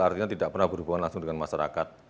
artinya tidak pernah berhubungan langsung dengan masyarakat